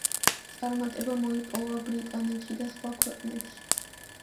წარმატება მოიპოვა ბრიტანეთში და სხვა ქვეყნებში.